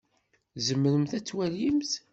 Tzemremt ad twalimt?